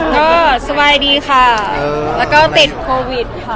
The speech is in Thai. ก็สบายดีค่ะแล้วก็ติดโควิดค่ะ